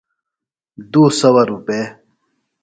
دُو سَوہ روپے۔